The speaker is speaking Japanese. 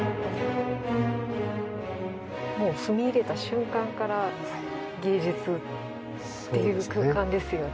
もう踏み入れた瞬間から芸術っていう空間ですよね。